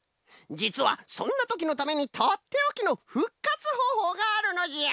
じつはそんなときのためにとっておきのふっかつほうほうがあるのじゃ！